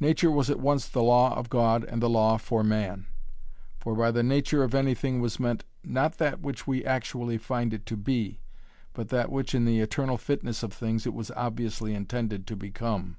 Nature was at once the law of God and the law for man. For by the nature of anything was meant, not that which we actually find it to be, but that which in the eternal fitness of things it was obviously intended to become.